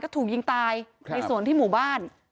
ถูกยิงตายในสวนที่หมู่บ้าน